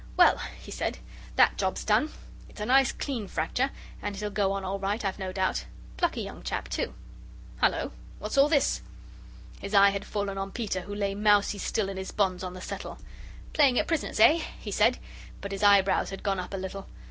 "Well," he said, "THAT job's done. It's a nice clean fracture, and it'll go on all right, I've no doubt. Plucky young chap, too hullo! what's all this?" His eye had fallen on Peter who lay mousy still in his bonds on the settle. "Playing at prisoners, eh?" he said; but his eyebrows had gone up a little.